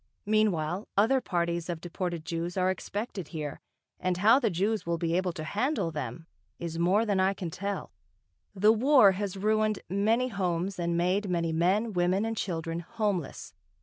Meanwhile, other parties of deported Jews are expected here, and how the Jews will be able to handle them, is more than I can tell. The War has ruined many homes and made many men, women, and children homeless.